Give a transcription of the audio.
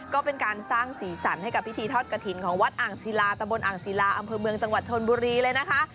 ก็เป็นการสร้างสีสันให้กับพิธีทอดกระถิ่นของวัดอ่างศิลาตะบนอ่างศิลาอำเภอเมืองจังหวัดชนบุรีเลยนะคะ